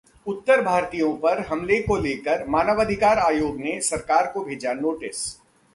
उत्तर भारतीयों पर हमले को लेकर मानवाधिकार आयोग ने सरकार को भेजा नोटिस